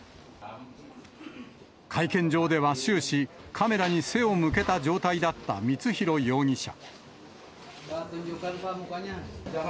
会見場では終始、カメラに背を向けた状態だった光弘容疑者。